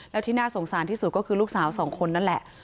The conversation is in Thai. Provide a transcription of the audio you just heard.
แล้วที่น่าสงสารที่สุดก็คือลูกสาวสองคนนั่นแหละ